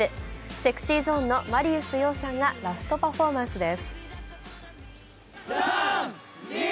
ＳｅｘｙＺｏｎｅのマリウス葉さんがラストパフォーマンスです。